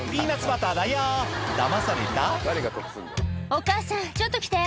「お母さんちょっと来て」